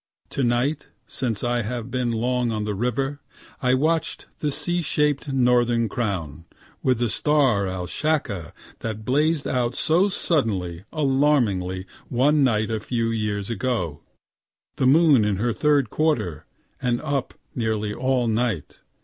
To night, since, I have been long on the river. I watch the C shaped Northern Crown, (with the star Alshacca that blazed out so suddenly, alarmingly, one night a few years ago.) The moon in her third quarter, and up nearly all night.